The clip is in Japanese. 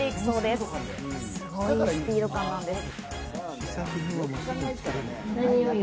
すごいスピード感です。